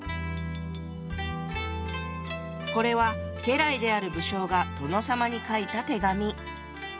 これは家来である武将が殿様に書いた手紙。